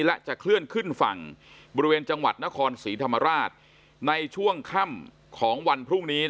และจะเคลื่อนขึ้นฝั่งบริเวณจังหวัดนครศรีธรรมราชในช่วงค่ำของวันพรุ่งนี้